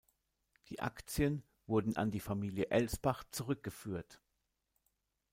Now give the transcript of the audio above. Die Aktien wurden an die Familie Elsbach zurückgeführt.